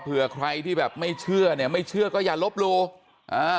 เผื่อใครที่แบบไม่เชื่อเนี่ยไม่เชื่อก็อย่าลบหลู่อ่า